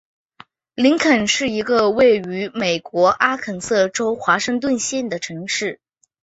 林肯是一个位于美国阿肯色州华盛顿县的城市。